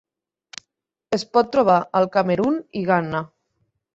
Es pot trobar al Camerun i Ghana.